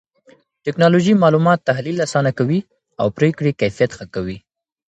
ټکنالوژي معلومات تحليل آسانه کوي او پرېکړې کيفيت ښه کوي.